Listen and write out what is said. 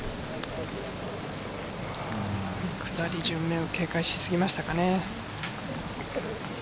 下り順目を警戒しすぎましたかね。